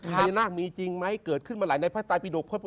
พญานาคมีจริงไหมเกิดขึ้นมาหลายในพระตายปิดก